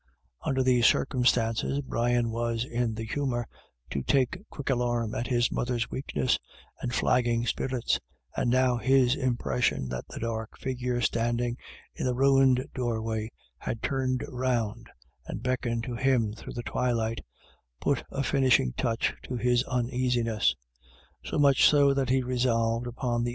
Under these circumstances Brian was in the humour to take quick alarm at his mother's weakness and flagging spirits, and now his impression that the dark figure standing in the ruined doorway had turned round and beckoned to him through the twilight, put a finishing touch to his uneasiness. So much so that he resolved upon the.